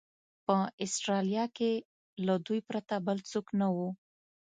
په اسټرالیا کې له دوی پرته بل څوک نه و.